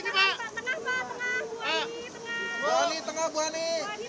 tengah pak tengah bu ani